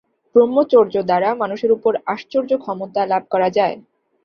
ব্রহ্মচর্য দ্বারা মানুষের উপর আশ্চর্য ক্ষমতা লাভ করা যায়।